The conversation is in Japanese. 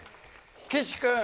岸君